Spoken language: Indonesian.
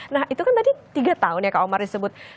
nah itu kan tadi tiga tahun ya kak omar disebut